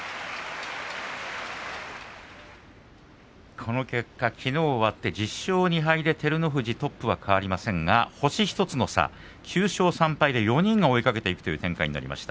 この結果、きのう終わって１０勝２敗で照ノ富士トップは変わりませんが星１つの差９勝３敗で４人が追いかけていくという展開になりました。